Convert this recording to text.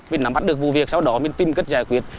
mình nắm bắt được vụ việc sau đó mình tìm cách giải quyết